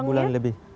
dua bulan lebih